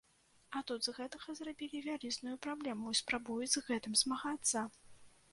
А тут з гэтага зрабілі вялізную праблему і спрабуюць з гэтым змагацца!